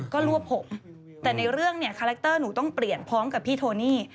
ก็รวบผมแต่ในเรื่องเนี่ยคาแรคเตอร์หนูต้องเปลี่ยนพร้อมกับพี่โทนี่